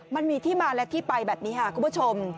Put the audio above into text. มันมีที่มาและที่ไปแบบนี้ค่ะคุณผู้ชม